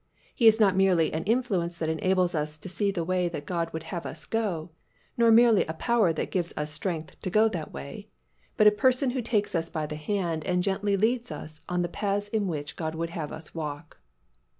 He is not merely an influence that enables us to see the way that God would have us go, nor merely a power that gives us strength to go that way, but a Person who takes us by the hand and gently leads us on in the paths in which God would have us walk.